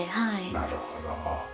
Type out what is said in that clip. なるほど。